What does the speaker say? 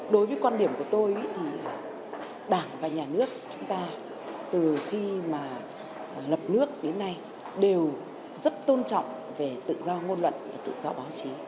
đối với quan điểm của tôi thì đảng và nhà nước chúng ta từ khi mà lập nước đến nay đều rất tôn trọng về tự do ngôn luận và tự do báo chí